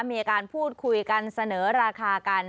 มีการพูดคุยกันเสนอราคากัน